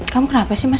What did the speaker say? kamu kenapa sih mas